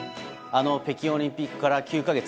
あの北京オリンピックから９か月。